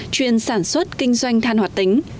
chuyên sản xuất kinh doanh than hoạt tính